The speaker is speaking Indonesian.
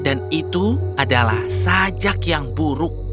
dan itu adalah sajak yang buruk